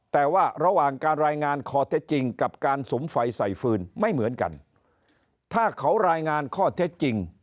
แต่ว่าระหว่างการรายงานข้อเท็จจริง